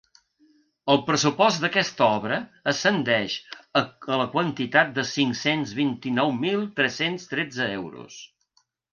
El pressupost d’aquesta obra ascendeix a la quantitat de cinc-cents vint-i-nou mil tres-cents tretze euros.